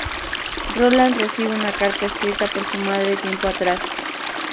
Roland recibe una carta escrita por su madre tiempo atrás.